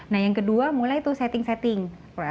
nah yang kedua mulai tuh setting setting